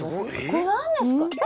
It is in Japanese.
これ何ですか？